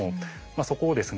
そこをですね